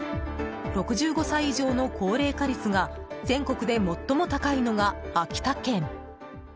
６５歳以上の高齢化率が全国で最も高いのが秋田県。